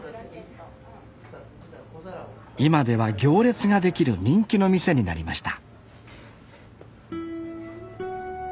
今では行列が出来る人気の店になりました